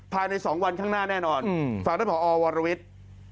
ภายใน๒วันข้างหน้าแน่นอนฟังท่านผอวรวิทย์